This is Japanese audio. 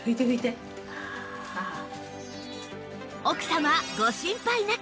奥様ご心配なく！